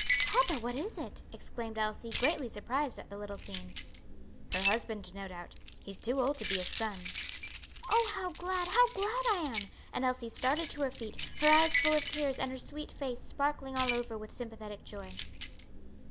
"Papa! what is it?" exclaimed Elsie, greatly surprised at the little scene. "Her husband, no doubt: he's too old to be a son." "Oh, how glad, how glad I am!" and Elsie started to her feet, her eyes full of tears, and her sweet face sparkling all over with sympathetic joy.